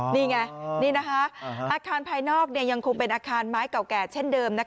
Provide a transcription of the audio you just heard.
นี่ไงนี่นะคะอาคารภายนอกยังคงเป็นอาคารไม้เก่าแก่เช่นเดิม